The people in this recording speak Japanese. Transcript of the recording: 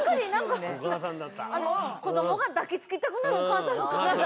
子どもが抱き付きたくなるお母さんの体を。